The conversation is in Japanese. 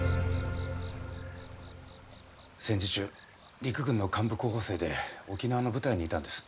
戦時中陸軍の幹部候補生で沖縄の部隊にいたんです。